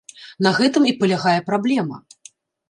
На гэтым і палягае праблема.